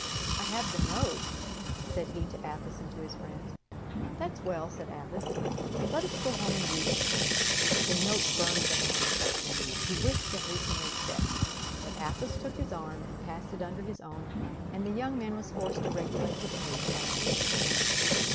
"I have the note," said he to Athos and to his friends. "That's well," said Athos, "let us go home and read it." The note burned the hand of D'Artagnan. He wished to hasten their steps; but Athos took his arm and passed it under his own, and the young man was forced to regulate his pace by that of his friend.